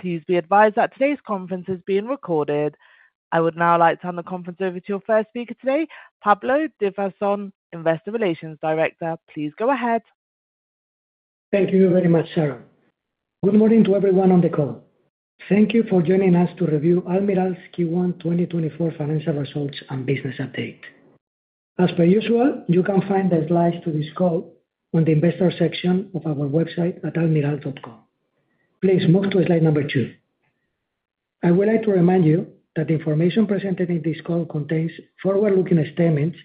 Please be advised that today's conference is being recorded. I would now like to turn the conference over to your first speaker today, Pablo Divasson, Investor Relations Director. Please go ahead. Thank you very much, Sharon. Good morning to everyone on the call. Thank you for joining us to review Almirall's Q1 2024 financial results and business update. As per usual, you can find the slides to this call on the investor section of our website at almirall.com. Please move to slide 2. I would like to remind you that the information presented in this call contains forward-looking statements,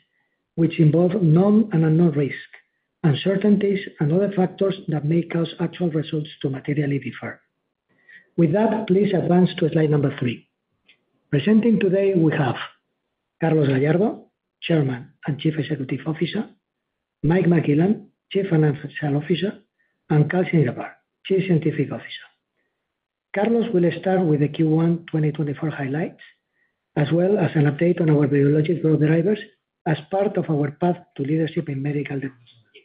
which involve known and unknown risks, uncertainties, and other factors that may cause actual results to materially differ. With that, please advance to slide 3. Presenting today we have Carlos Gallardo, Chairman and Chief Executive Officer, Mike McClellan, Chief Financial Officer, and Karl Ziegelbauer, Chief Scientific Officer. Carlos will start with the Q1 2024 highlights, as well as an update on our biologic growth drivers as part of our path to leadership in medical dermatology.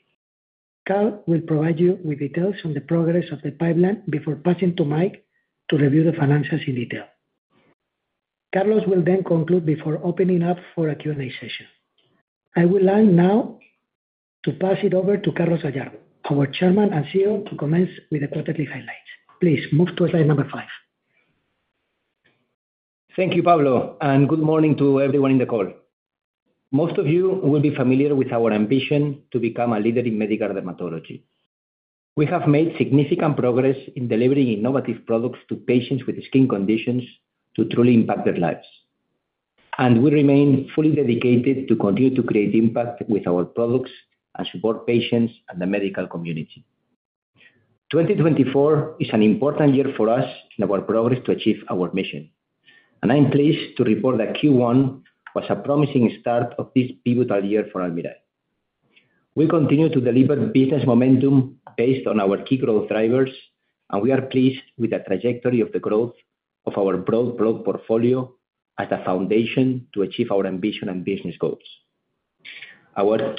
Karl will provide you with details on the progress of the pipeline before passing to Mike to review the financials in detail. Carlos will then conclude before opening up for a Q&A session. I would like now to pass it over to Carlos Gallardo, our Chairman and CEO, to commence with the quarterly highlights. Please, move to slide number 5. Thank you, Pablo, and good morning to everyone in the call. Most of you will be familiar with our ambition to become a leader in medical dermatology. We have made significant progress in delivering innovative products to patients with skin conditions to truly impact their lives, and we remain fully dedicated to continue to create impact with our products and support patients and the medical community. 2024 is an important year for us in our progress to achieve our mission, and I'm pleased to report that Q1 was a promising start of this pivotal year for Almirall. We continue to deliver business momentum based on our key growth drivers, and we are pleased with the trajectory of the growth of our broad product portfolio as a foundation to achieve our ambition and business goals. Our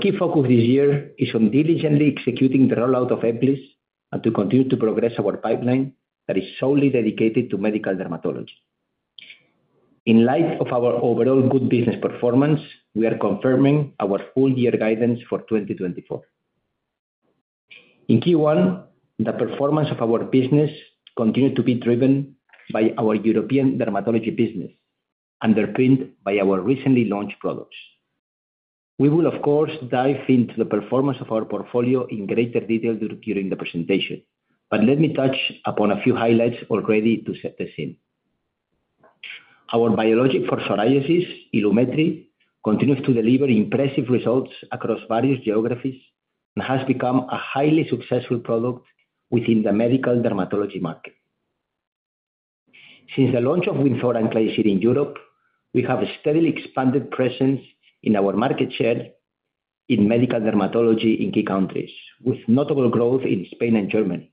key focus this year is on diligently executing the rollout of Ebglyss and to continue to progress our pipeline that is solely dedicated to medical dermatology. In light of our overall good business performance, we are confirming our full year guidance for 2024. In Q1, the performance of our business continued to be driven by our European dermatology business, underpinned by our recently launched products. We will, of course, dive into the performance of our portfolio in greater detail during the presentation, but let me touch upon a few highlights already to set the scene. Our biologic for psoriasis, Ilumetri, continues to deliver impressive results across various geographies and has become a highly successful product within the medical dermatology market. Since the launch of Wynzora and Klisyri in Europe, we have a steadily expanded presence in our market share in medical dermatology in key countries, with notable growth in Spain and Germany,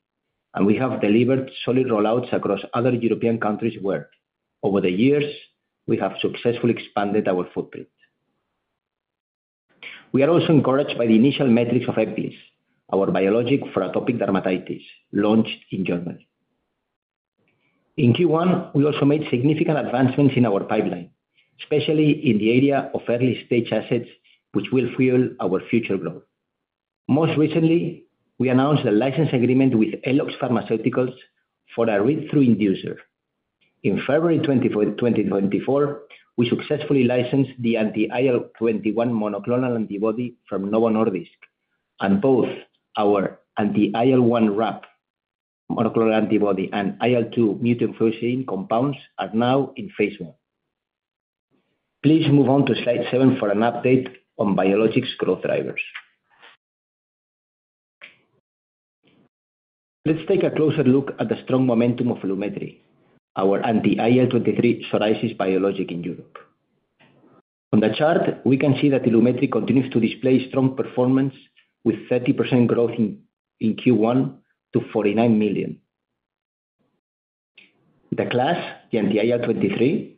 and we have delivered solid rollouts across other European countries where, over the years, we have successfully expanded our footprint. We are also encouraged by the initial metrics of Ebglyss, our biologic for atopic dermatitis, launched in Germany. In Q1, we also made significant advancements in our pipeline, especially in the area of early-stage assets, which will fuel our future growth. Most recently, we announced a license agreement with Eloxx Pharmaceuticals for a read-through inducer. In February 2024, we successfully licensed the anti-IL-21 monoclonal antibody from Novo Nordisk, and both our anti-IL-1RAP monoclonal antibody and IL-2 mutant fusion compounds are now in phase 1. Please move on to slide 7 for an update on biologics growth drivers. Let's take a closer look at the strong momentum of Ilumetri, our anti-IL-23 psoriasis biologic in Europe. On the chart, we can see that Ilumetri continues to display strong performance, with 30% growth in Q1 to 49 million. The class, the anti-IL-23,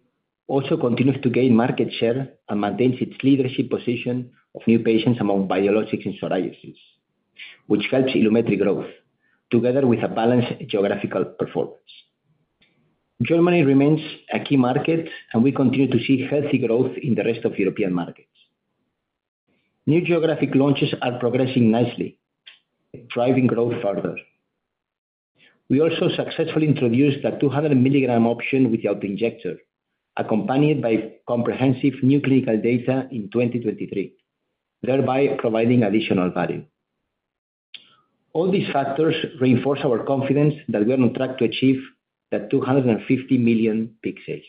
also continues to gain market share and maintains its leadership position of new patients among biologics in psoriasis, which helps Ilumetri growth, together with a balanced geographical performance. Germany remains a key market, and we continue to see healthy growth in the rest of European markets. New geographic launches are progressing nicely, driving growth further. We also successfully introduced a 200 milligram option with the auto-injector, accompanied by comprehensive new clinical data in 2023, thereby providing additional value. All these factors reinforce our confidence that we are on track to achieve 250 million peak sales.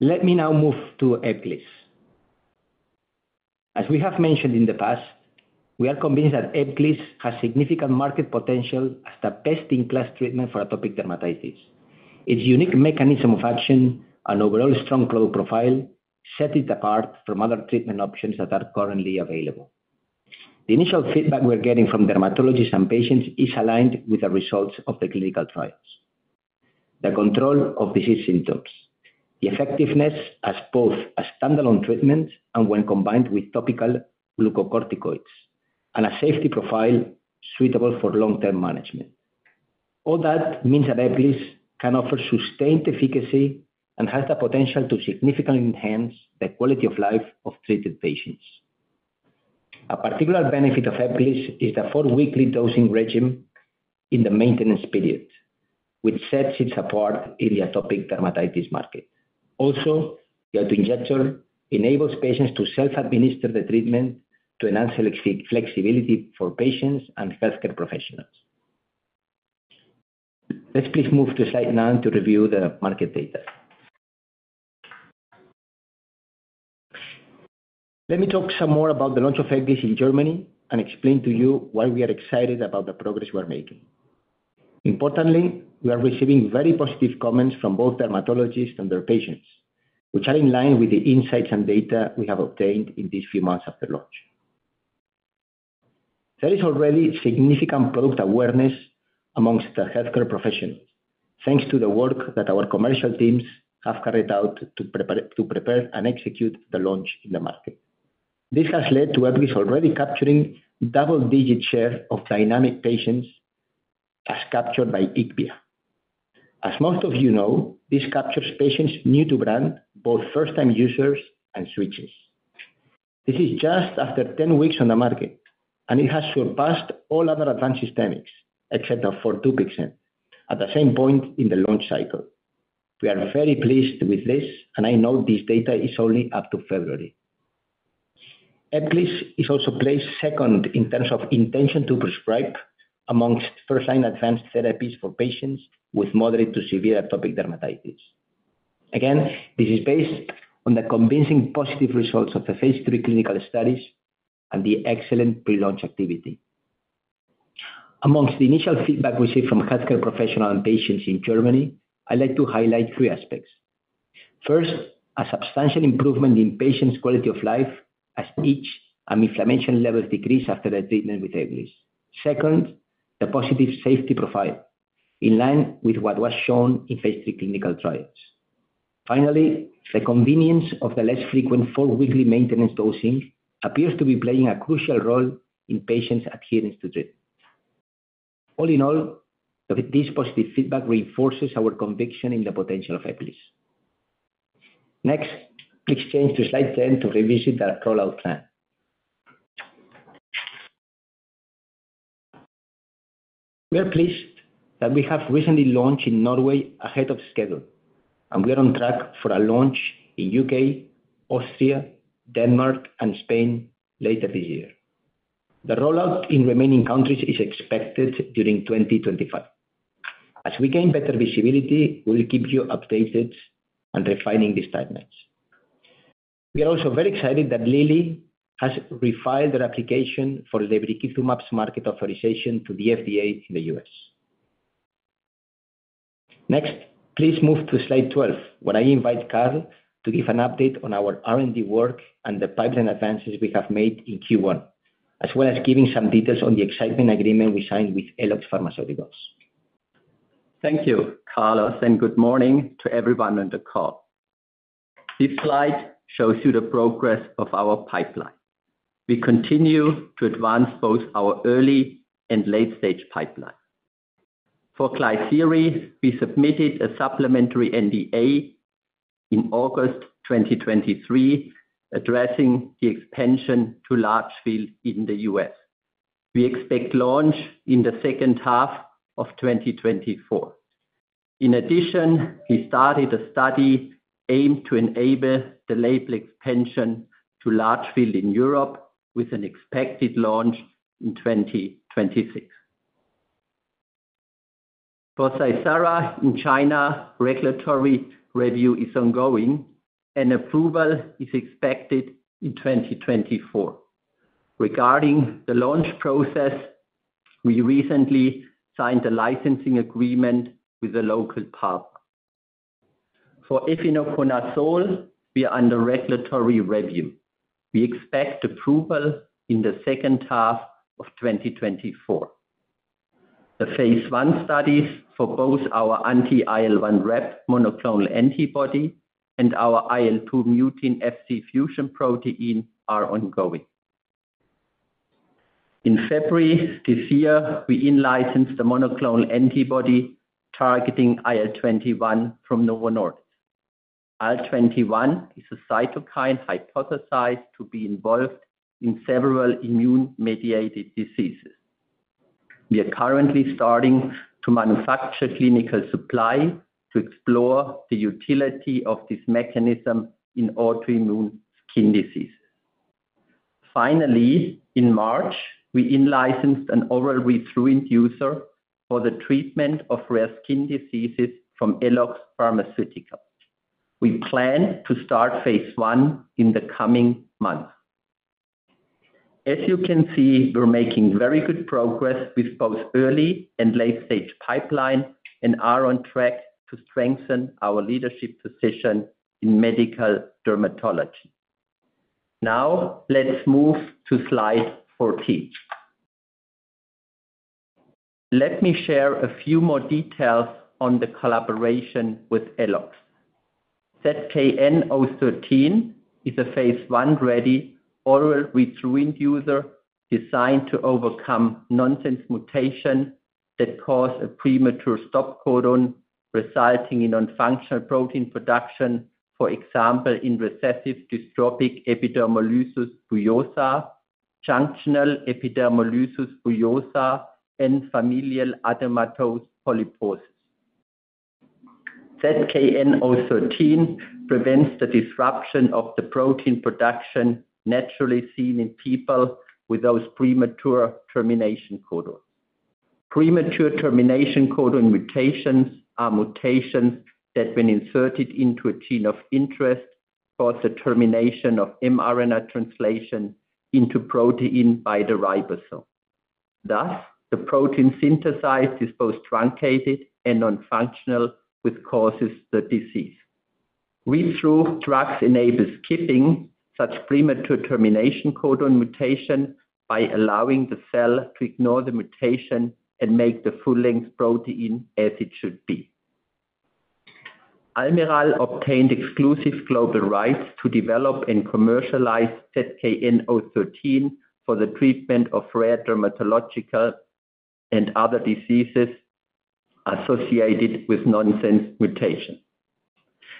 Let me now move to Ebglyss. As we have mentioned in the past, we are convinced that Ebglyss has significant market potential as the best-in-class treatment for atopic dermatitis. Its unique mechanism of action and overall strong growth profile set it apart from other treatment options that are currently available. The initial feedback we're getting from dermatologists and patients is aligned with the results of the clinical trials. The control of disease symptoms, the effectiveness as both a standalone treatment and when combined with topical glucocorticoids, and a safety profile suitable for long-term management. All that means that Ebglyss can offer sustained efficacy and has the potential to significantly enhance the quality of life of treated patients. A particular benefit of Ebglyss is the four-weekly dosing regimen in the maintenance period, which sets it apart in the atopic dermatitis market. Also, the autoinjector enables patients to self-administer the treatment to enhance ease of flexibility for patients and healthcare professionals. Let's please move to slide 9 to review the market data. Let me talk some more about the launch of Ebglyss in Germany, and explain to you why we are excited about the progress we are making. Importantly, we are receiving very positive comments from both dermatologists and their patients, which are in line with the insights and data we have obtained in these few months after launch. There is already significant product awareness among the healthcare professionals, thanks to the work that our commercial teams have carried out to prepare and execute the launch in the market. This has led to Ebglyss already capturing double-digit share of dynamic patients, as captured by IQVIA. As most of you know, this captures patients new to brand, both first-time users and switchers. This is just after 10 weeks on the market, and it has surpassed all other advanced systemics, except for Dupixent, at the same point in the launch cycle. We are very pleased with this, and I know this data is only up to February. Ebglyss is also placed second in terms of intention to prescribe amongst first-line advanced therapies for patients with moderate to severe atopic dermatitis. Again, this is based on the convincing positive results of the phase 3 clinical studies and the excellent pre-launch activity. Amongst the initial feedback we see from healthcare professional and patients in Germany, I'd like to highlight 3 aspects. First, a substantial improvement in patients' quality of life as itch and inflammation levels decrease after their treatment with Ebglyss. Second, the positive safety profile, in line with what was shown in phase 3 clinical trials. Finally, the convenience of the less frequent four-weekly maintenance dosing appears to be playing a crucial role in patients' adherence to treatment. All in all, with this positive feedback reinforces our conviction in the potential of Ebglyss. Next, please change to slide 10 to revisit our rollout plan. We are pleased that we have recently launched in Norway ahead of schedule, and we are on track for a launch in U.K., Austria, Denmark, and Spain later this year. The rollout in remaining countries is expected during 2025. As we gain better visibility, we will keep you updated on refining these timelines. We are also very excited that Lilly has refiled their application for lebrikizumab's market authorization to the FDA in the U.S. Next, please move to slide 12, where I invite Karl to give an update on our R&D work and the pipeline advances we have made in Q1, as well as giving some details on the exciting agreement we signed with Eloxx Pharmaceuticals. Thank you, Carlos, and good morning to everyone on the call. This slide shows you the progress of our pipeline. We continue to advance both our early and late-stage pipeline. For Klisyri, we submitted a supplementary NDA in August 2023, addressing the expansion to large field in the U.S. We expect launch in the second half of 2024. In addition, we started a study aimed to enable the label extension to large field in Europe with an expected launch in 2026. For Seysara in China, regulatory review is ongoing, and approval is expected in 2024. Regarding the launch process, we recently signed a licensing agreement with the local partner. For efinaconazole, we are under regulatory review. We expect approval in the second half of 2024. The phase 1 studies for both our anti-IL-1RAP monoclonal antibody and our IL-2 mutant Fc fusion protein are ongoing. In February this year, we in-licensed the monoclonal antibody targeting IL-21 from Novo Nordisk. IL-21 is a cytokine hypothesized to be involved in several immune-mediated diseases. We are currently starting to manufacture clinical supply to explore the utility of this mechanism in autoimmune skin disease. Finally, in March, we in-licensed an oral read-through inducer for the treatment of rare skin diseases from Eloxx Pharmaceuticals. We plan to start phase 1 in the coming months. As you can see, we're making very good progress with both early and late-stage pipeline, and are on track to strengthen our leadership position in medical dermatology. Now, let's move to slide 14.... Let me share a few more details on the collaboration with Eloxx. ZKN-013 is a phase 1-ready oral read-through inducer designed to overcome nonsense mutation that cause a premature stop codon, resulting in nonfunctional protein production, for example, in recessive dystrophic epidermolysis bullosa, junctional epidermolysis bullosa, and familial adenomatous polyposis. ZKN-013 prevents the disruption of the protein production naturally seen in people with those premature termination codon. Premature termination codon mutations are mutations that when inserted into a gene of interest, cause the termination of mRNA translation into protein by the ribosome. Thus, the protein synthesized is both truncated and nonfunctional, which causes the disease. Read-through drugs enable skipping such premature termination codon mutation by allowing the cell to ignore the mutation and make the full-length protein as it should be. Almirall obtained exclusive global rights to develop and commercialize ZKN-013 for the treatment of rare dermatological and other diseases associated with nonsense mutation.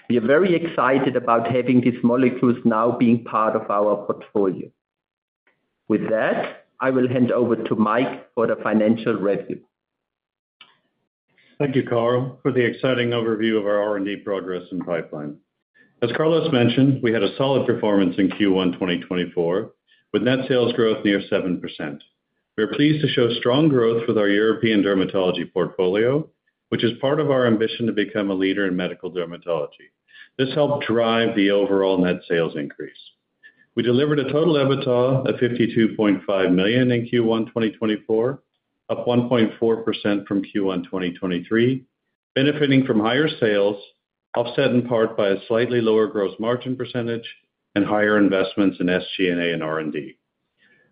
We are very excited about having these molecules now being part of our portfolio. With that, I will hand over to Mike for the financial review. Thank you, Karl, for the exciting overview of our R&D progress and pipeline. As Carlos mentioned, we had a solid performance in Q1 2024, with net sales growth near 7%. We are pleased to show strong growth with our European dermatology portfolio, which is part of our ambition to become a leader in medical dermatology. This helped drive the overall net sales increase. We delivered a total EBITDA of 52.5 million in Q1 2024, up 1.4% from Q1 2023, benefiting from higher sales, offset in part by a slightly lower gross margin percentage and higher investments in SG&A and R&D.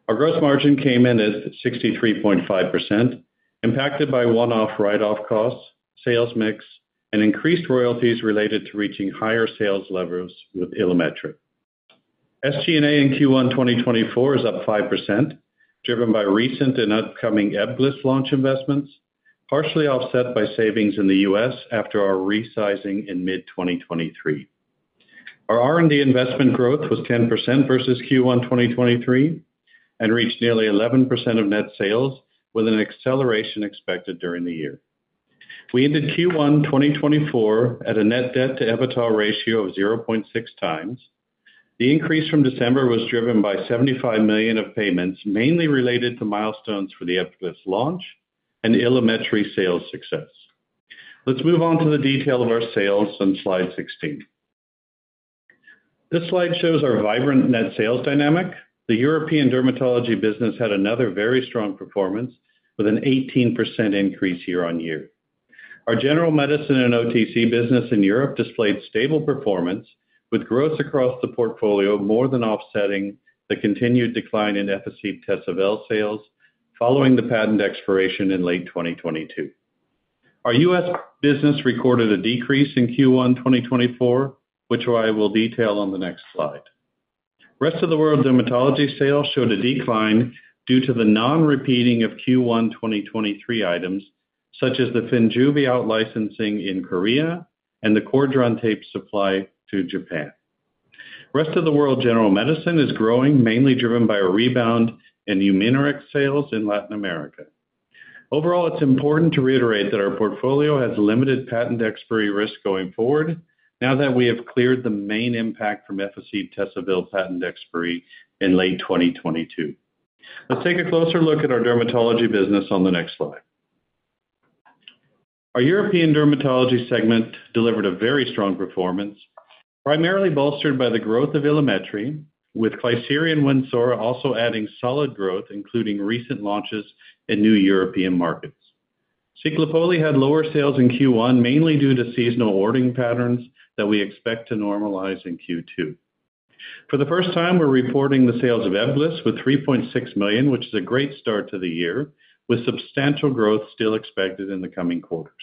Our gross margin came in at 63.5%, impacted by one-off write-off costs, sales mix, and increased royalties related to reaching higher sales levels with Ilumetri. SG&A in Q1 2024 is up 5%, driven by recent and upcoming Ebglyss launch investments, partially offset by savings in the U.S. after our resizing in mid-2023. Our R&D investment growth was 10% versus Q1 2023 and reached nearly 11% of net sales, with an acceleration expected during the year. We ended Q1 2024 at a net debt-to-EBITDA ratio of 0.6 times. The increase from December was driven by 75 million of payments, mainly related to milestones for the Ebglyss launch and Ilumetri sales success. Let's move on to the detail of our sales on slide 16. This slide shows our vibrant net sales dynamic. The European dermatology business had another very strong performance, with an 18% increase year-over-year. Our general medicine and OTC business in Europe displayed stable performance, with growth across the portfolio more than offsetting the continued decline in Efficib, Tesavel sales following the patent expiration in late 2022. Our US business recorded a decrease in Q1 2024, which I will detail on the next slide. Rest of the World dermatology sales showed a decline due to the non-repeating of Q1 2023 items, such as the Wynzora out licensing in Korea and the Cordran Tape supply to Japan. Rest of the World general medicine is growing, mainly driven by a rebound in Humira sales in Latin America. Overall, it's important to reiterate that our portfolio has limited patent expiry risk going forward now that we have cleared the main impact from Efficib, Tesavel patent expiry in late 2022. Let's take a closer look at our dermatology business on the next slide. Our European dermatology segment delivered a very strong performance, primarily bolstered by the growth of Ilumetri, with Klisyri and Wynzora also adding solid growth, including recent launches in new European markets. Ciclopoli had lower sales in Q1, mainly due to seasonal ordering patterns that we expect to normalize in Q2. For the first time, we're reporting the sales of Ebglyss with 3.6 million, which is a great start to the year, with substantial growth still expected in the coming quarters.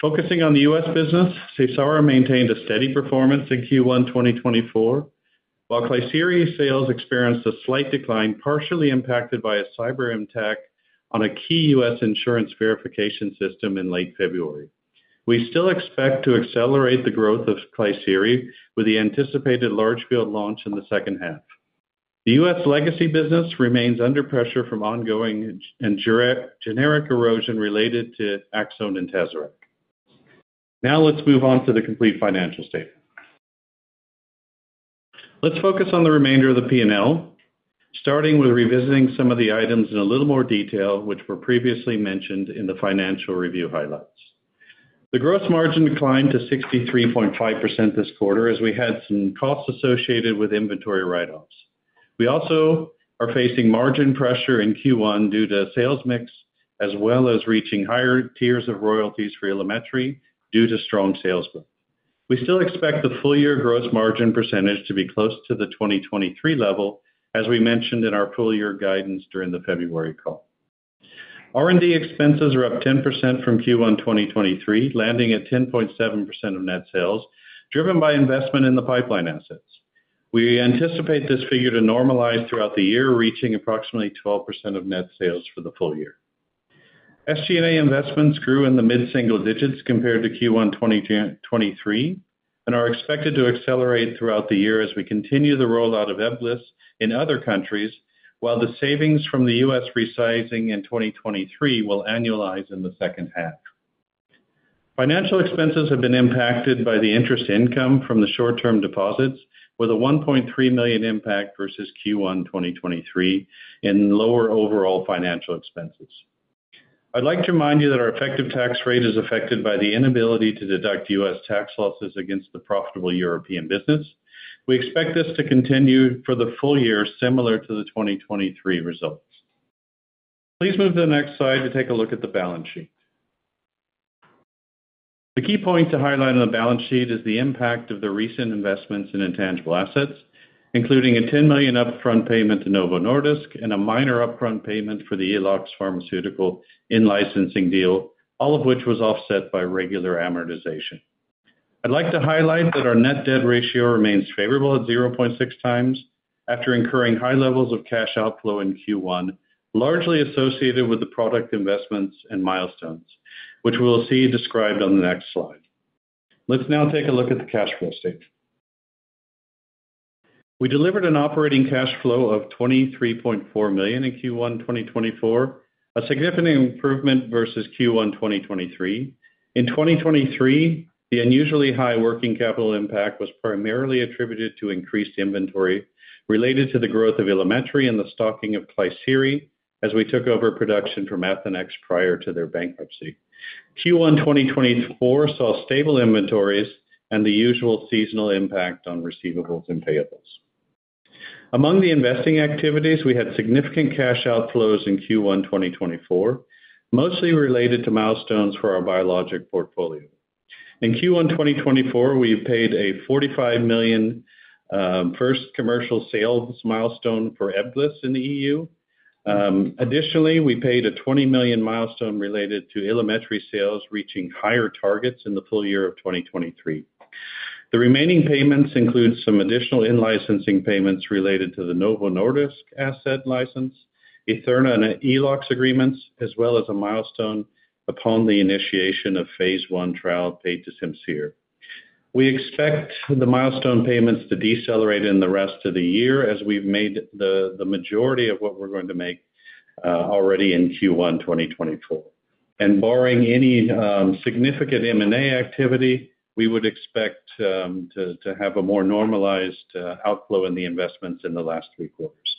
Focusing on the US business, Seysara maintained a steady performance in Q1 2024, while Klisyri sales experienced a slight decline, partially impacted by a cyber attack on a key US insurance verification system in late February. We still expect to accelerate the growth of Klisyri with the anticipated large field launch in the second half. The U.S. legacy business remains under pressure from ongoing and generic erosion related to Aczone and Tazarac. Now let's move on to the complete financial statement. Let's focus on the remainder of the P&L, starting with revisiting some of the items in a little more detail, which were previously mentioned in the financial review highlights. The gross margin declined to 63.5% this quarter, as we had some costs associated with inventory write-offs. We also are facing margin pressure in Q1 due to sales mix, as well as reaching higher tiers of royalties for Ilumetri due to strong sales growth. We still expect the full year gross margin percentage to be close to the 2023 level, as we mentioned in our full year guidance during the February call. R&D expenses are up 10% from Q1 2023, landing at 10.7% of net sales, driven by investment in the pipeline assets. We anticipate this figure to normalize throughout the year, reaching approximately 12% of net sales for the full year. SG&A investments grew in the mid-single digits compared to Q1 2023, and are expected to accelerate throughout the year as we continue the rollout of Ebglyss in other countries, while the savings from the U.S. resizing in 2023 will annualize in the second half. Financial expenses have been impacted by the interest income from the short-term deposits, with a 1.3 million impact versus Q1 2023, and lower overall financial expenses. I'd like to remind you that our effective tax rate is affected by the inability to deduct U.S. tax losses against the profitable European business. We expect this to continue for the full year, similar to the 2023 results. Please move to the next slide to take a look at the balance sheet. The key point to highlight on the balance sheet is the impact of the recent investments in intangible assets, including a 10 million upfront payment to Novo Nordisk and a minor upfront payment for the Eloxx Pharmaceuticals in-licensing deal, all of which was offset by regular amortization. I'd like to highlight that our net debt ratio remains favorable at 0.6 times after incurring high levels of cash outflow in Q1, largely associated with the product investments and milestones, which we will see described on the next slide. Let's now take a look at the cash flow statement. We delivered an operating cash flow of 23.4 million in Q1 2024, a significant improvement versus Q1 2023. In 2023, the unusually high working capital impact was primarily attributed to increased inventory related to the growth of Ilumetri and the stocking of Klisyri, as we took over production from Athenex prior to their bankruptcy. Q1 2024 saw stable inventories and the usual seasonal impact on receivables and payables. Among the investing activities, we had significant cash outflows in Q1 2024, mostly related to milestones for our biologic portfolio. In Q1 2024, we paid a 45 million first commercial sales milestone for Ebglyss in the EU. Additionally, we paid a 20 million milestone related to Ilumetri sales, reaching higher targets in the full year of 2023. The remaining payments include some additional in-licensing payments related to the Novo Nordisk asset license, Etherna and Eloxx agreements, as well as a milestone upon the initiation of phase 1 trial paid to Simcere. We expect the milestone payments to decelerate in the rest of the year, as we've made the majority of what we're going to make already in Q1 2024. And barring any significant M&A activity, we would expect to have a more normalized outflow in the investments in the last three quarters.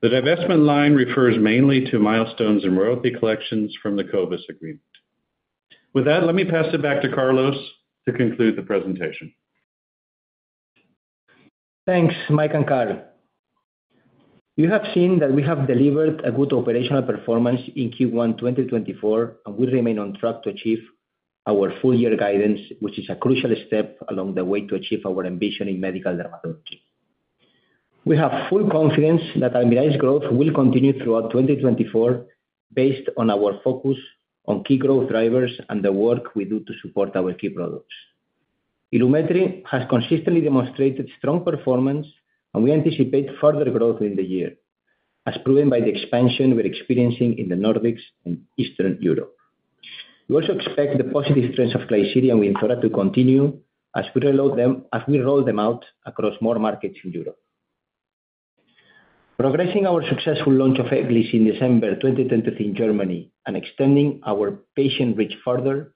The divestment line refers mainly to milestones and royalty collections from the Covis agreement. With that, let me pass it back to Carlos to conclude the presentation. Thanks, Mike and Carlos. You have seen that we have delivered a good operational performance in Q1 2024, and we remain on track to achieve our full year guidance, which is a crucial step along the way to achieve our ambition in medical dermatology. We have full confidence that Almirall's growth will continue throughout 2024, based on our focus on key growth drivers and the work we do to support our key products. Ilumetri has consistently demonstrated strong performance, and we anticipate further growth in the year, as proven by the expansion we're experiencing in the Nordics and Eastern Europe. We also expect the positive trends of Klisyri and Wynzora to continue, as we roll them out across more markets in Europe. Progressing our successful launch of Ebglyss in December 2023 in Germany and extending our patient reach further,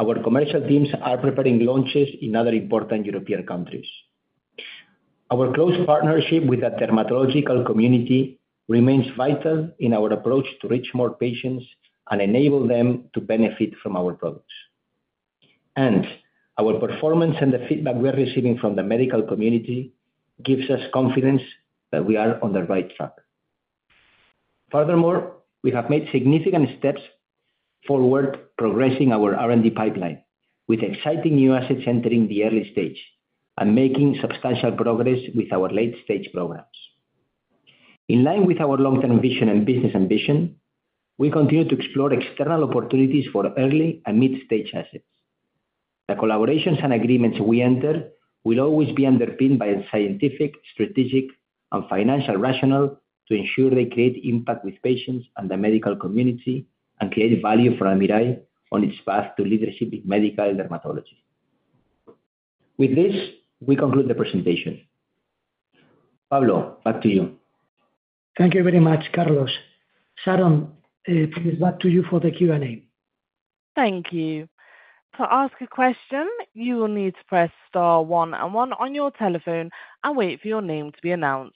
our commercial teams are preparing launches in other important European countries. Our close partnership with the dermatological community remains vital in our approach to reach more patients and enable them to benefit from our products. Our performance and the feedback we are receiving from the medical community gives us confidence that we are on the right track. Furthermore, we have made significant steps forward, progressing our R&D pipeline with exciting new assets entering the early stage and making substantial progress with our late-stage programs. In line with our long-term vision and business ambition, we continue to explore external opportunities for early and mid-stage assets. The collaborations and agreements we enter will always be underpinned by a scientific, strategic, and financial rationale to ensure they create impact with patients and the medical community and create value for Almirall on its path to leadership in medical dermatology. With this, we conclude the presentation. Pablo, back to you. Thank you very much, Carlos. Sharon, it is back to you for the Q&A. Thank you. To ask a question, you will need to press star one and one on your telephone and wait for your name to be announced.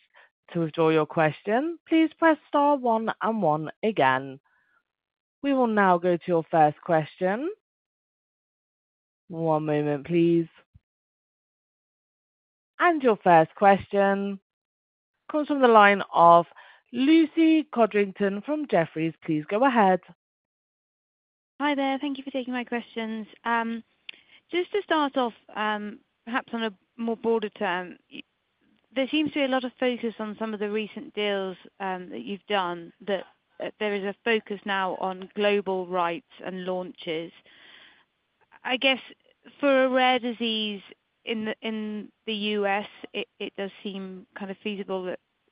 To withdraw your question, please press star one and one again. We will now go to your first question. One moment, please. And your first question comes from the line of Lucy Codrington from Jefferies. Please go ahead. Hi there. Thank you for taking my questions. Just to start off, perhaps on a more broader term, there seems to be a lot of focus on some of the recent deals that you've done, that there is a focus now on global rights and launches. I guess, for a rare disease in the US, it does seem kind of feasible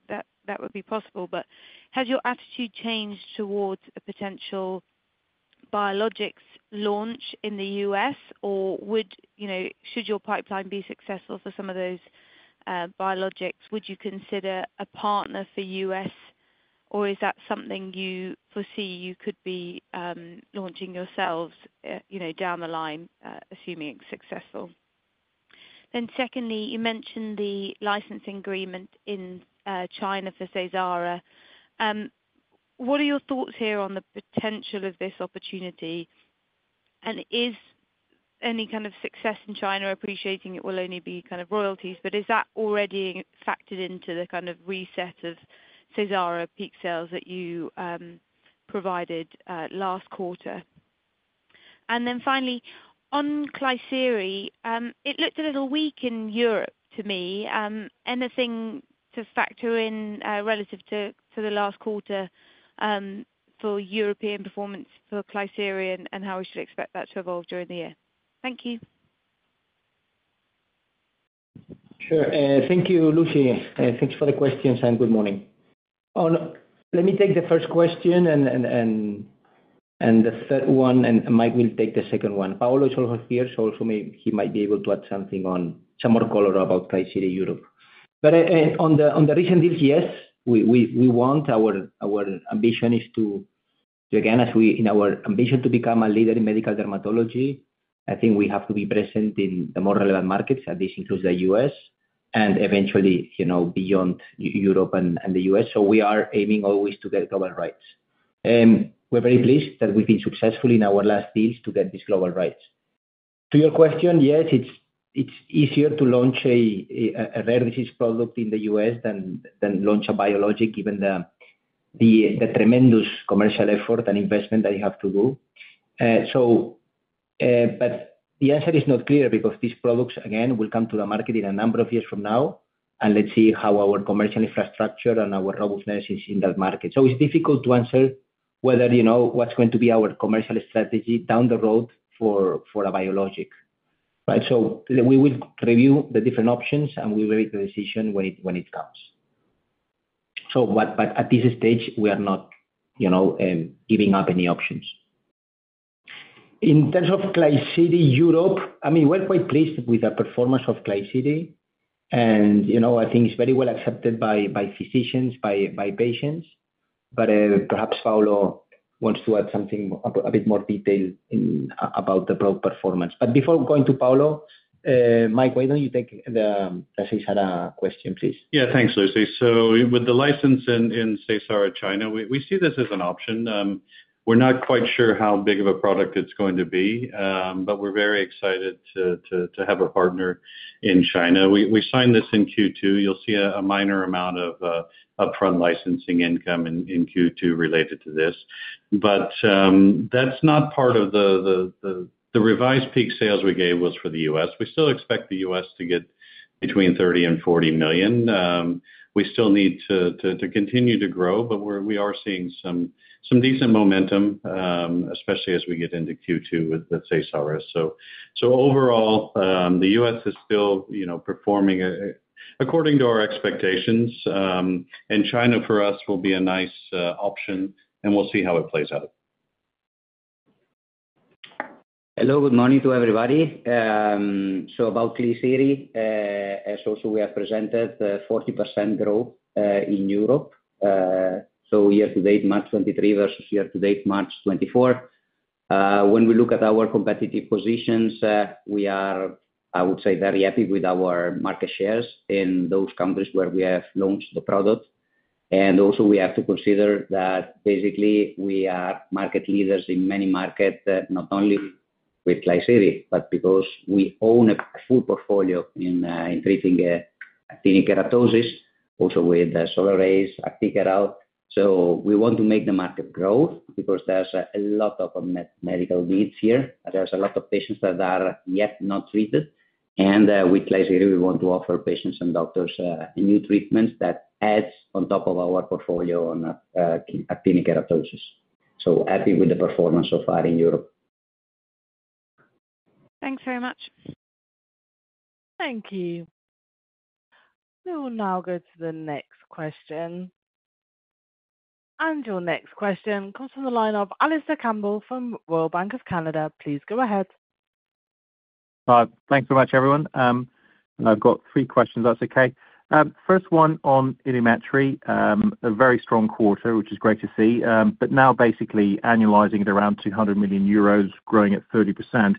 that that would be possible. But has your attitude changed towards a potential biologics launch in the US, or would, you know, should your pipeline be successful for some of those biologics, would you consider a partner for US, or is that something you foresee you could be launching yourselves, you know, down the line, assuming it's successful? Then secondly, you mentioned the licensing agreement in China for Seysara. What are your thoughts here on the potential of this opportunity? And is any kind of success in China appreciating it will only be kind of royalties, but is that already factored into the kind of reset of Seysara peak sales that you provided last quarter? And then finally, on Klisyri, it looked a little weak in Europe to me. Anything to factor in relative to the last quarter for European performance for Klisyri and how we should expect that to evolve during the year? Thank you. Sure. Thank you, Lucy. Thanks for the questions, and good morning. Let me take the first question and the third one, and Mike will take the second one. Paolo is also here, so he might be able to add something on some more color about Klisyri Europe. But on the recent deals, yes, our ambition is to, again, in our ambition to become a leader in medical dermatology. I think we have to be present in the more relevant markets, and this includes the U.S. and eventually, you know, beyond Europe and the U.S. So we are aiming always to get global rights. And we're very pleased that we've been successful in our last deals to get these global rights. To your question, yes, it's easier to launch a rare disease product in the U.S. than launch a biologic, given the tremendous commercial effort and investment that you have to do. So, but the answer is not clear because these products, again, will come to the market in a number of years from now, and let's see how our commercial infrastructure and our robustness is in that market. So it's difficult to answer whether, you know, what's going to be our commercial strategy down the road for a biologic, right? So we will review the different options, and we'll make the decision when it comes. But at this stage, we are not, you know, giving up any options. In terms of Klisyri Europe, I mean, we're quite pleased with the performance of Klisyri, and, you know, I think it's very well accepted by physicians, by patients, but perhaps Paolo wants to add something, a bit more detail about the product performance. But before going to Paolo, Mike, why don't you take the Seysara question, please? Yeah, thanks, Lucy. So with the license in Seysara, China, we see this as an option. We're not quite sure how big of a product it's going to be, but we're very excited to have a partner in China. We signed this in Q2. You'll see a minor amount of upfront licensing income in Q2 related to this. But that's not part of the revised peak sales we gave was for the US. We still expect the US to get between $30 million and $40 million. We still need to continue to grow, but we are seeing some decent momentum, especially as we get into Q2 with the Seysara. So overall, the U.S. is still, you know, performing according to our expectations, and China, for us, will be a nice option, and we'll see how it plays out. Hello, good morning to everybody. So about Klisyri, as also we have presented, 40% growth in Europe, so year to date, March 2023, versus year to date, March 2024. When we look at our competitive positions, we are, I would say, very happy with our market shares in those countries where we have launched the product. And also, we have to consider that basically, we are market leaders in many markets, not only with Klisyri, but because we own a full portfolio in treating actinic keratosis, also with Solaraze, Actikerall. So we want to make the market growth because there's a lot of medical needs here. There's a lot of patients that are yet not treated, and with Klisyri, we want to offer patients and doctors new treatments that adds on top of our portfolio on actinic keratosis. So happy with the performance so far in Europe. Thanks very much. Thank you. We will now go to the next question. Your next question comes from the line of Alistair Campbell from Royal Bank of Canada. Please go ahead. Thanks very much, everyone. I've got three questions, if that's okay. First one on Ilumetri. A very strong quarter, which is great to see, but now basically annualizing at around 200 million euros, growing at 30%.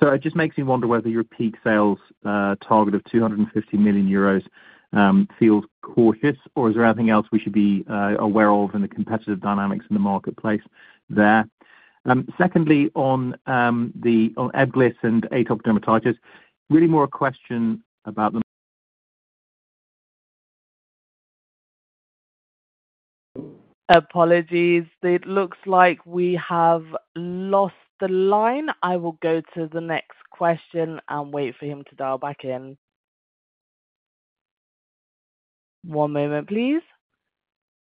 So it just makes me wonder whether your peak sales target of 250 million euros feels cautious, or is there anything else we should be aware of in the competitive dynamics in the marketplace there? Secondly, on Ebglyss and atopic dermatitis, really more a question about the-... Apologies, it looks like we have lost the line. I will go to the next question and wait for him to dial back in. One moment, please.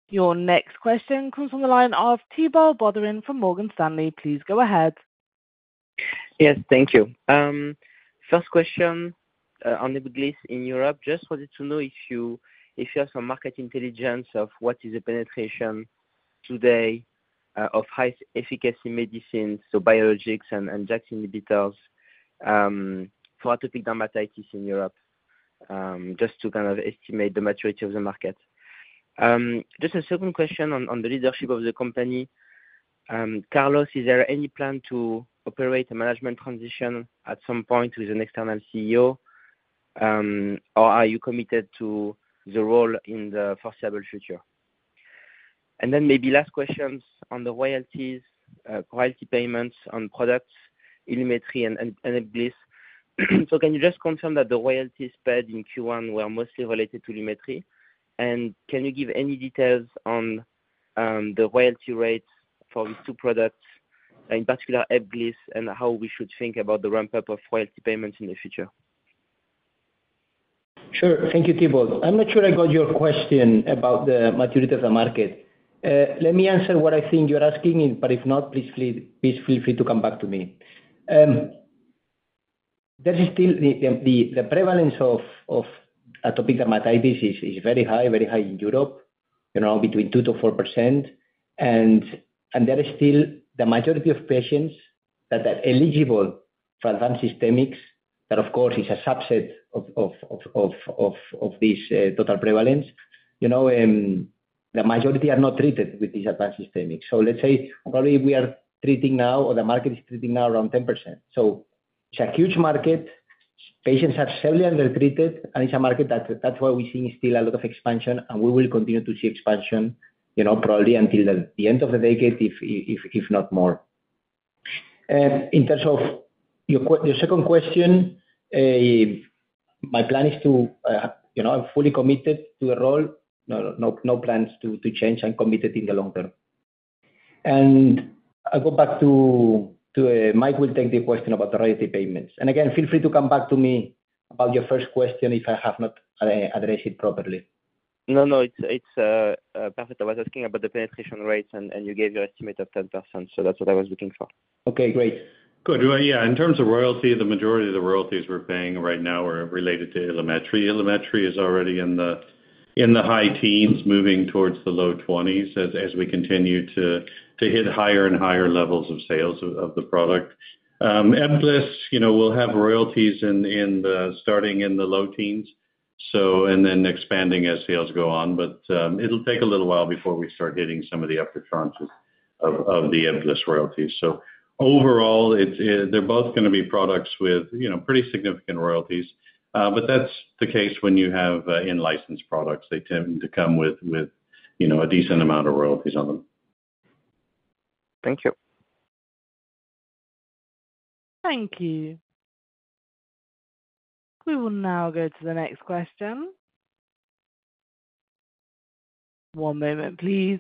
Your next question comes from the line of Thibault Boutherin from Morgan Stanley. Please go ahead. Yes, thank you. First question, on the list in Europe, just wanted to know if you have some market intelligence of what is the penetration today of high efficacy medicines, so biologics and JAK inhibitors, for atopic dermatitis in Europe, just to kind of estimate the maturity of the market. Just a second question on the leadership of the company. Carlos, is there any plan to operate a management transition at some point with an external CEO? Or are you committed to the role in the foreseeable future? And then maybe last questions on the royalties, royalty payments on products, Ilumetri and Ebglyss. So can you just confirm that the royalty spread in Q1 were mostly related to Ilumetri? Can you give any details on the royalty rates for these two products, in particular, Ebglyss, and how we should think about the ramp-up of royalty payments in the future? Sure. Thank you, Thibault. I'm not sure I got your question about the maturity of the market. Let me answer what I think you're asking, but if not, please feel free to come back to me. There is still the prevalence of atopic dermatitis is very high in Europe, you know, between 2%-4%. And there is still the majority of patients that are eligible for advanced systemics, that of course is a subset of this total prevalence. You know, the majority are not treated with these advanced systemics. So let's say probably we are treating now or the market is treating now around 10%. So it's a huge market. Patients are severely undertreated, and it's a market that, that's why we're seeing still a lot of expansion, and we will continue to see expansion, you know, probably until the end of the decade, if not more. In terms of your second question, my plan is to, you know, I'm fully committed to the role. No plans to change, I'm committed in the long term. And I'll go back to... Mike will take the question about the royalty payments. And again, feel free to come back to me about your first question if I have not addressed it properly. No, no, it's, it's, perfect. I was asking about the penetration rates, and you gave your estimate of 10%, so that's what I was looking for. Okay, great. Good. Well, yeah, in terms of royalty, the majority of the royalties we're paying right now are related to Ilumetri. Ilumetri is already in the high teens, moving towards the low twenties as we continue to hit higher and higher levels of sales of the product. Ebglyss, you know, will have royalties starting in the low teens, and then expanding as sales go on. But it'll take a little while before we start hitting some of the upper tranches of the Ebglyss royalties. So overall, it's they're both gonna be products with, you know, pretty significant royalties. But that's the case when you have in-licensed products. They tend to come with, you know, a decent amount of royalties on them. Thank you. Thank you. We will now go to the next question. One moment, please.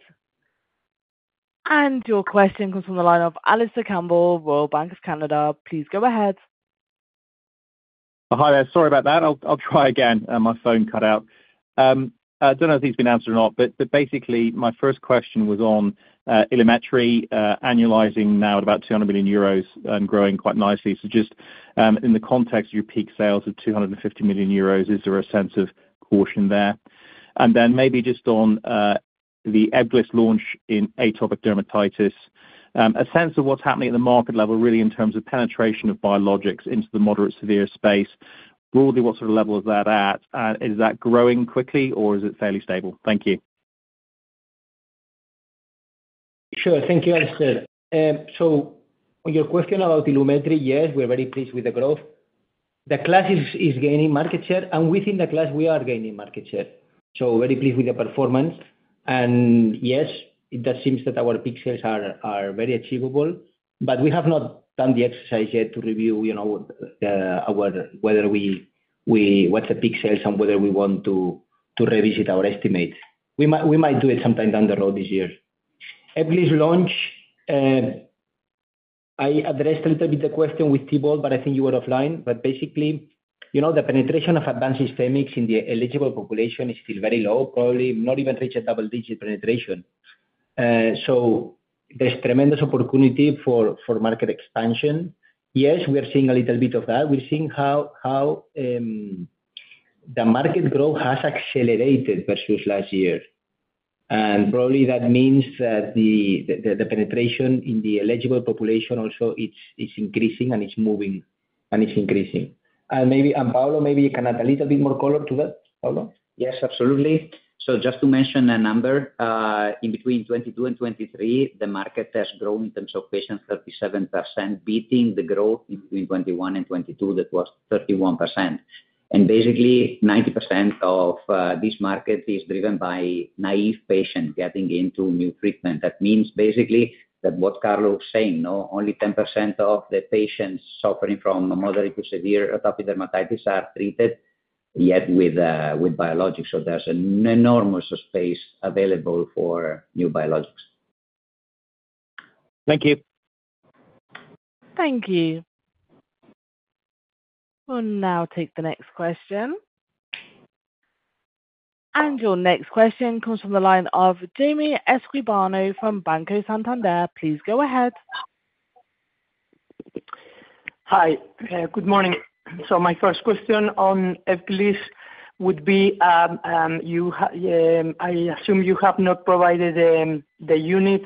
And your question comes from the line of Alistair Campbell, Royal Bank of Canada. Please go ahead. Oh, hi there. Sorry about that. I'll, I'll try again. My phone cut out. I don't know if these have been answered or not, but, but basically, my first question was on Ilumetri, annualizing now at about 200 million euros and growing quite nicely. So just, in the context of your peak sales of 250 million euros, is there a sense of caution there? And then maybe just on the Ebglyss launch in atopic dermatitis, a sense of what's happening at the market level, really in terms of penetration of biologics into the moderate severe space. Broadly, what sort of level is that at? And is that growing quickly or is it fairly stable? Thank you. Sure. Thank you, Alistair. So on your question about Ilumetri, yes, we're very pleased with the growth. The class is gaining market share, and within the class, we are gaining market share. So very pleased with the performance. And yes, it does seems that our peak sales are very achievable, but we have not done the exercise yet to review, you know, whether we – what's the peak sales and whether we want to revisit our estimates. We might do it sometime down the road this year. Ebglyss launch, I addressed a little bit the question with Thibault, but I think you were offline. But basically, you know, the penetration of advanced systemics in the eligible population is still very low, probably not even reach a double-digit penetration. So there's tremendous opportunity for market expansion. Yes, we are seeing a little bit of that. We're seeing how the market growth has accelerated versus last year. And probably that means that the penetration in the eligible population also it's increasing and it's moving, and it's increasing. And maybe, and Paolo, maybe you can add a little bit more color to that. Paolo? Yes, absolutely. So just to mention a number, in between 2022 and 2023, the market has grown in terms of patients 37%, beating the growth between 2021 and 2022, that was 31%. And basically, 90% of this market is driven by naive patients getting into new treatment. That means basically that what Carlos is saying, you know, only 10% of the patients suffering from moderate to severe atopic dermatitis are treated. ... yet with biologics, so there's an enormous space available for new biologics. Thank you. Thank you. We'll now take the next question. Your next question comes from the line of Jaime Escribano from Banco Santander. Please go ahead. Hi, good morning. So my first question on Ebglyss would be, I assume you have not provided the units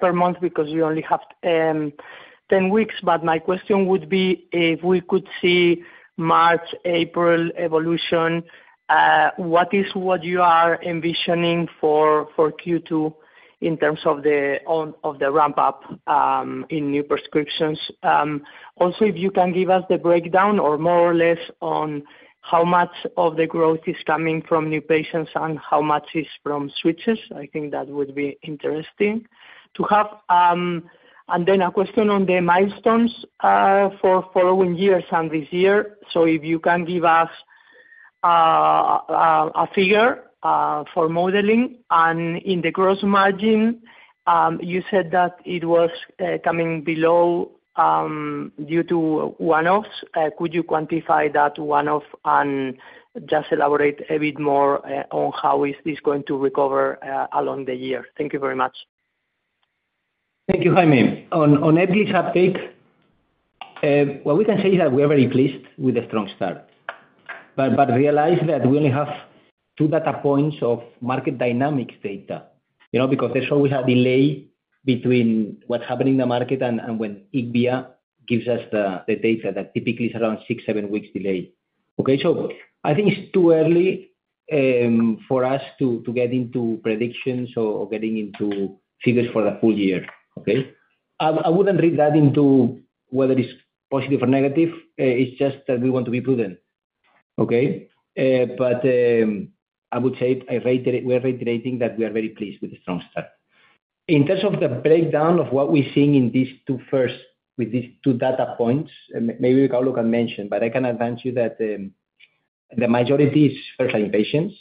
per month because you only have 10 weeks. But my question would be, if we could see March, April evolution, what is what you are envisioning for Q2 in terms of the ramp up in new prescriptions? Also, if you can give us the breakdown or more or less on how much of the growth is coming from new patients and how much is from switches, I think that would be interesting to have. And then a question on the milestones for following years and this year. So if you can give us a figure for modeling. In the gross margin, you said that it was coming below due to one-offs. Could you quantify that one-off and just elaborate a bit more on how is this going to recover along the year? Thank you very much. Thank you, Jamie. On Ebglyss's uptake, what we can say is that we are very pleased with the strong start. But realize that we only have two data points of market dynamics data, you know, because there's always a delay between what happened in the market and when IQVIA gives us the data that typically is around six, seven weeks delay. Okay? So I think it's too early for us to get into predictions or getting into figures for the full year, okay? I wouldn't read that into whether it's positive or negative. It's just that we want to be prudent, okay? But I would say I reiterate - we are reiterating that we are very pleased with the strong start. In terms of the breakdown of what we're seeing in these two first, with these two data points, and maybe Paolo can mention, but I can advance you that, the majority is first-line patients,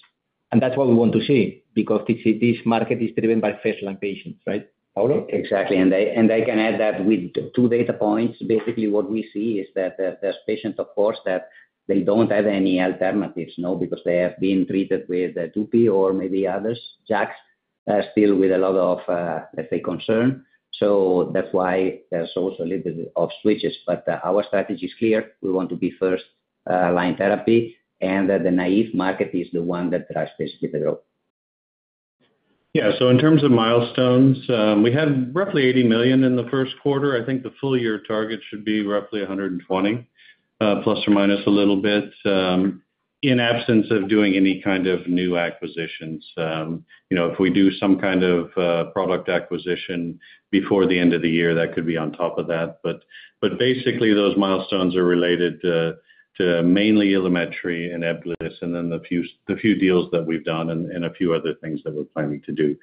and that's what we want to see, because this, this market is driven by first-line patients, right, Paolo? Exactly. And I can add that with two data points, basically what we see is that there's patients, of course, that they don't have any alternatives, because they have been treated with Dupixent or maybe others, JAK, still with a lot of, let's say, concern. So that's why there's also a little bit of switches. But our strategy is clear: we want to be first-line therapy, and that the naive market is the one that drives this with the growth. Yeah, so in terms of milestones, we had roughly 80 million in the first quarter. I think the full year target should be roughly 120 million, plus or minus a little bit, in absence of doing any kind of new acquisitions. You know, if we do some kind of product acquisition before the end of the year, that could be on top of that. But, but basically, those milestones are related to, to mainly Ilumetri and Ebglyss, and then the few deals that we've done and, and a few other things that we're planning to do.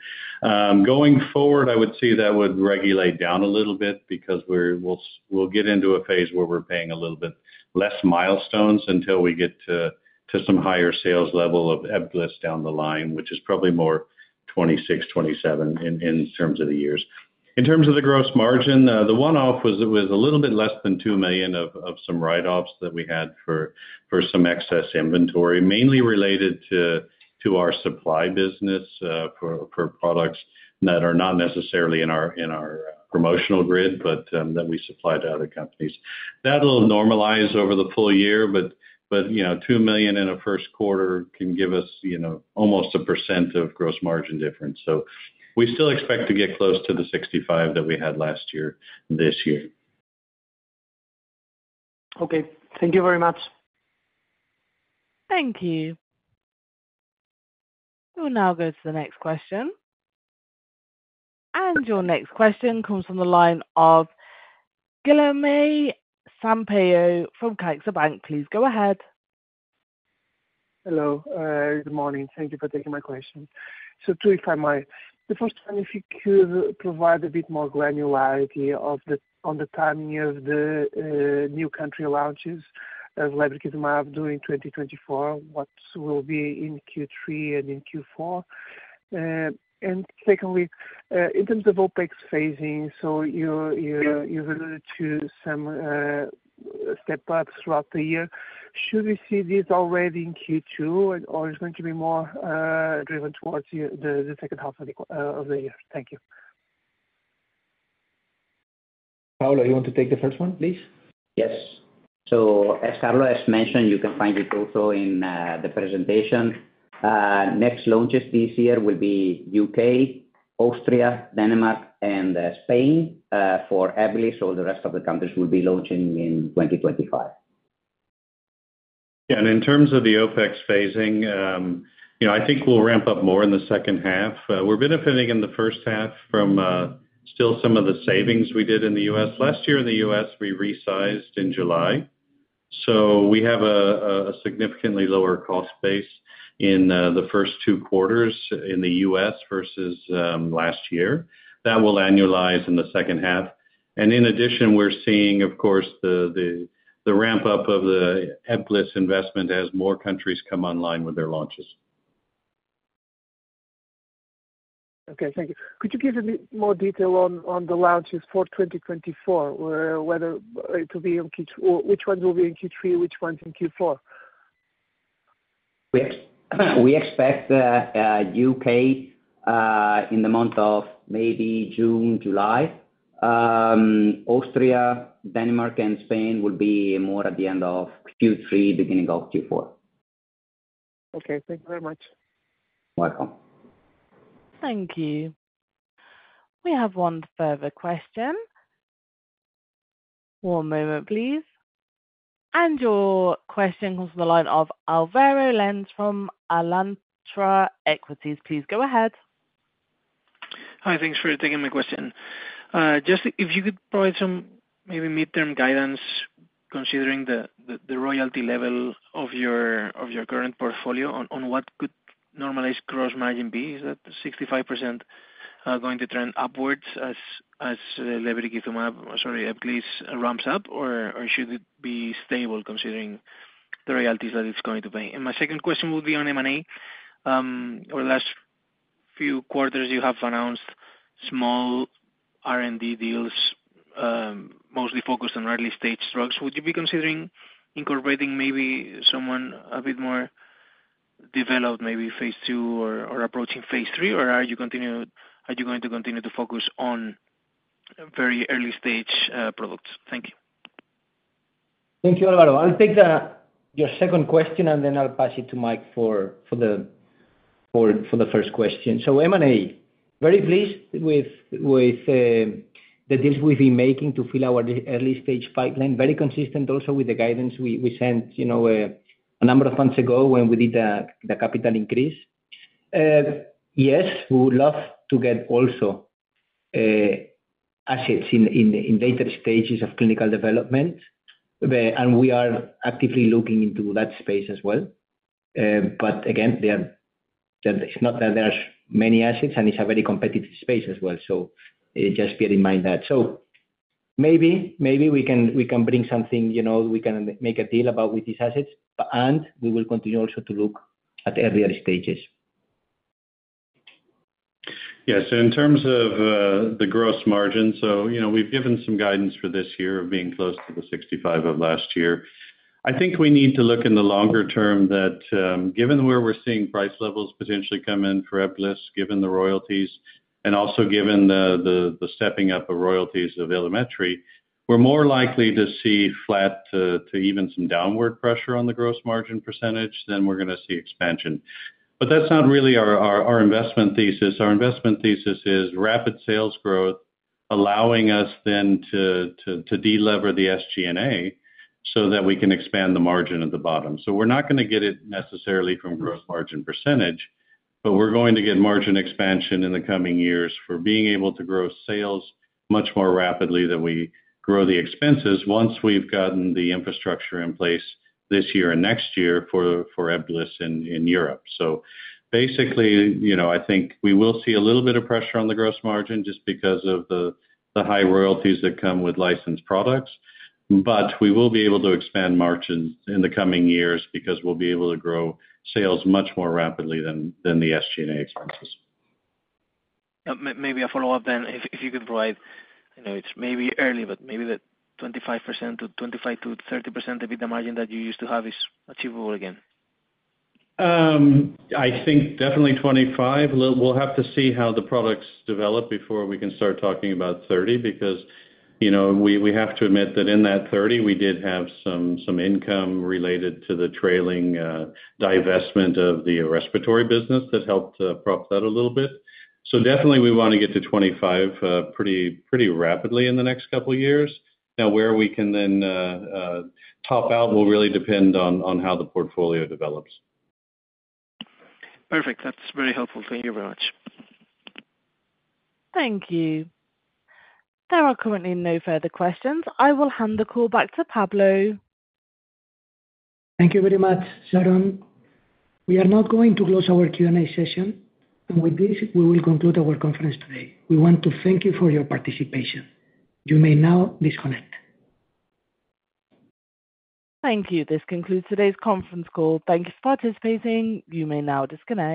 Going forward, I would say that would regulate down a little bit because we'll get into a phase where we're paying a little bit less milestones until we get to some higher sales level of Ebglyss down the line, which is probably more 2026, 2027, in terms of the years. In terms of the gross margin, the one-off was a little bit less than 2 million of some write-offs that we had for some excess inventory, mainly related to our supply business, for products that are not necessarily in our promotional grid, but that we supply to other companies. That'll normalize over the full year, but you know, 2 million in a first quarter can give us, you know, almost 1% gross margin difference. We still expect to get close to the 65 that we had last year, this year. Okay. Thank you very much. Thank you. We'll now go to the next question. Your next question comes from the line of Guilherme Sampaio from CaixaBank. Please go ahead. Hello, good morning. Thank you for taking my question. So 2, if I might. The first one, if you could provide a bit more granularity of the- on the timing of the, new country launches of lebrikizumab during 2024, what will be in Q3 and in Q4? And secondly, in terms of OpEx phasing, so you, you, you referred to some, step ups throughout the year. Should we see this already in Q2, or, or it's going to be more, driven towards the, the, the second half of the qu- of the year? Thank you. Paolo, you want to take the first one, please? Yes. So as Carlos mentioned, you can find it also in the presentation. Next launches this year will be UK, Austria, Denmark, and Spain for Ebglyss, so the rest of the countries will be launching in 2025. Yeah, and in terms of the OpEx phasing, you know, I think we'll ramp up more in the second half. We're benefiting in the first half from still some of the savings we did in the U.S. Last year in the U.S., we resized in July, so we have a significantly lower cost base in the first two quarters in the U.S. versus last year. That will annualize in the second half. And in addition, we're seeing, of course, the ramp-up of the Ebglyss investment as more countries come online with their launches. Okay, thank you. Could you give a bit more detail on the launches for 2024, whether it will be in Q3, which ones will be in Q3, which ones in Q4? We expect UK in the month of maybe June, July. Austria, Denmark and Spain would be more at the end of Q3, beginning of Q4. Okay, thank you very much. Welcome. Thank you. We have one further question. One moment, please. And your question comes from the line of Alvaro Lenze from Alantra Equities. Please, go ahead. Hi, thanks for taking my question. Just if you could provide some maybe midterm guidance, considering the royalty level of your current portfolio on what could normalized gross margin be? Is that 65%, going to trend upwards as Ebglyss ramps up, or should it be stable considering the royalties that it's going to pay? And my second question will be on M&A. Over the last few quarters, you have announced small R&D deals, mostly focused on early-stage drugs. Would you be considering incorporating maybe someone a bit more developed, maybe phase II or approaching phase III, or are you going to continue to focus on very early-stage products? Thank you. Thank you, Alvaro. I'll take your second question, and then I'll pass it to Mike for the first question. So M&A, very pleased with the deals we've been making to fill our early-stage pipeline. Very consistent also with the guidance we sent, you know, a number of months ago when we did the capital increase. Yes, we would love to get also assets in later stages of clinical development, and we are actively looking into that space as well. But again, there's not many assets, and it's a very competitive space as well, so just bear in mind that. So maybe we can bring something, you know, we can make a deal about with these assets, and we will continue also to look at earlier stages. Yes, so in terms of the gross margin, so, you know, we've given some guidance for this year of being close to the 65% of last year. I think we need to look in the longer term that, given where we're seeing price levels potentially come in for Ebglyss, given the royalties, and also given the stepping up of royalties of Ilumetri, we're more likely to see flat to even some downward pressure on the gross margin percentage than we're gonna see expansion. But that's not really our investment thesis. Our investment thesis is rapid sales growth, allowing us then to de-lever the SG&A, so that we can expand the margin at the bottom. So we're not gonna get it necessarily from gross margin percentage, but we're going to get margin expansion in the coming years for being able to grow sales much more rapidly than we grow the expenses, once we've gotten the infrastructure in place this year and next year for Ebglyss in Europe. So basically, you know, I think we will see a little bit of pressure on the gross margin, just because of the high royalties that come with licensed products, but we will be able to expand margins in the coming years, because we'll be able to grow sales much more rapidly than the SG&A expenses. Maybe a follow-up then, if you could provide... I know it's maybe early, but maybe the 25%-30% EBITDA margin that you used to have is achievable again. I think definitely 25. We'll have to see how the products develop before we can start talking about 30, because, you know, we have to admit that in that 30, we did have some income related to the trailing divestment of the respiratory business that helped prop that a little bit. So definitely we want to get to 25 pretty rapidly in the next couple of years. Now, where we can then top out will really depend on how the portfolio develops. Perfect. That's very helpful. Thank you very much. Thank you. There are currently no further questions. I will hand the call back to Pablo. Thank you very much, Sharon. We are now going to close our Q&A session, and with this, we will conclude our conference today. We want to thank you for your participation. You may now disconnect. Thank you. This concludes today's conference call. Thank you for participating. You may now disconnect.